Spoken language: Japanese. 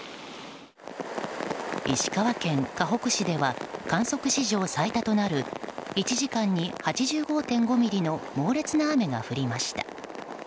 石川県かほく市では観測史上最多となる１時間に８５．５ミリの猛烈な雨が降りました。